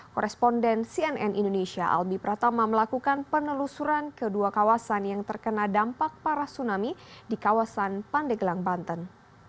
koresponden cnn indonesia albi pratama melakukan penelusuran kedua kawasan yang terkena dampak parah tsunami di kawasan pandeglang banten